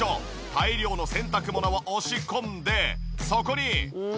大量の洗濯物を押し込んでそこに。